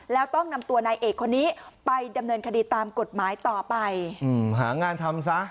แล้วต้องนำตัวนายเอกคนนี้ไปดำเนินคดีตามกฎหมายต่อไปหางานทำซะ